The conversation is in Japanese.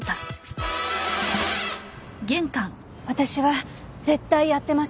私は絶対やってません。